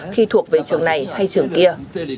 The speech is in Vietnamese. khi thuộc về trường này hay trường kia